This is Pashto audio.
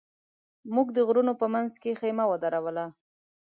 موږ د غرونو په منځ کې خېمه ودروله.